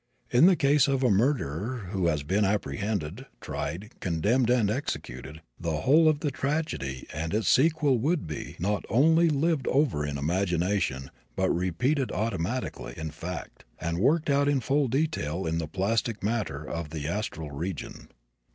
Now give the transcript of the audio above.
In the case of a murderer who has been apprehended, tried, condemned and executed, the whole of the tragedy and its sequel would be, not only lived over in imagination but repeated automatically, in fact, and worked out in full detail in the plastic matter of the astral region.